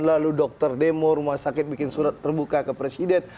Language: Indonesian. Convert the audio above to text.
lalu dokter demo rumah sakit bikin surat terbuka ke presiden